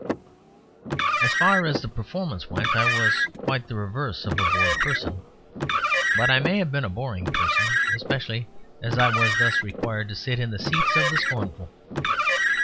As far as the performance went I was quite the reverse of a bored person; but I may have been a boring person, especially as I was thus required to sit in the seats of the scornful.